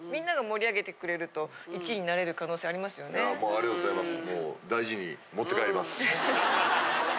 ありがとうございます。